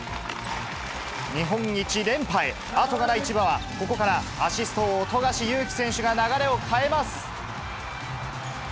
日本一連覇へ、後がない千葉は、ここからアシスト王、富樫勇樹選手が流れを変えます。